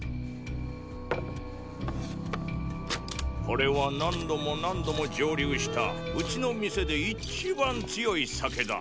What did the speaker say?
これは何度も何度も蒸留したうちの店で一番強い酒だ。